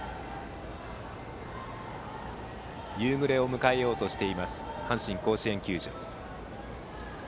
夕暮れを迎えようとしている阪神甲子園球場。